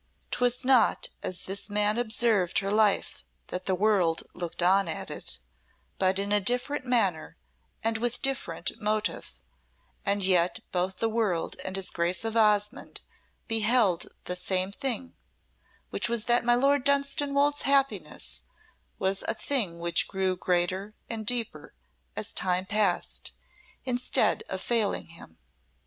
'Twas not as this man observed her life that the world looked on at it, but in a different manner and with a different motive, and yet both the world and his Grace of Osmonde beheld the same thing, which was that my Lord Dunstanwolde's happiness was a thing which grew greater and deeper as time passed, instead of failing him.